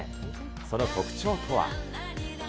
その特徴とは。